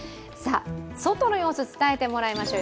外の様子、伝えてもらいましょう。